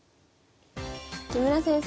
木村先生